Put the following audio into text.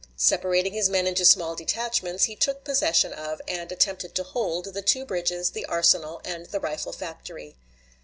Separating his men into small detachments, he took possession of, and attempted to hold, the two bridges, the arsenal, and the rifle factory.